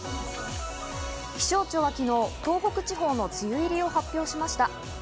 気象庁は昨日、東北地方の梅雨入りを発表しました。